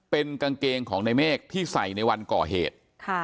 เป็นกางเกงของในเมฆที่ใส่ในวันก่อเหตุ